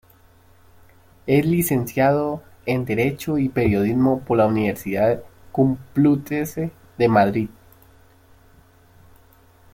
Es licenciado en derecho y periodismo por la Universidad Complutense de Madrid.